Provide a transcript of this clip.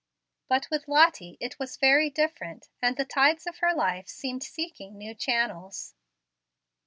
But with Lottie it was very different, and the tides of her life seemed seeking new channels.